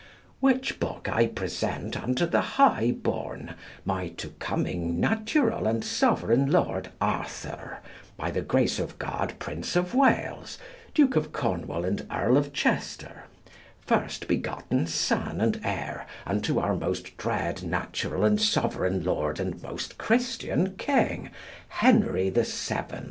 Which book I present unto the high born, my to coming natural and sovereign lord Arthur, by the grace of God Prince of Wales, Duke of Cornwall and Earl of Chester, first begotten son and heir unto our most dread natural and sovereign lord and most Christian King, Henry the VII.